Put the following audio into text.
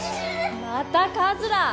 またカズラー！